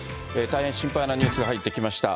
大変心配なニュースが入ってきました。